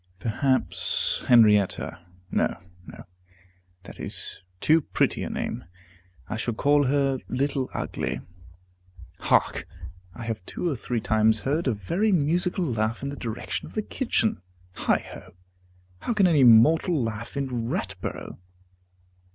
Perhaps Henrietta. No, no, that is too pretty a name; I shall call her Little Ugly. Hark! I have two or three times heard a very musical laugh in the direction of the kitchen. Heigh ho! How can any mortal laugh in Ratborough!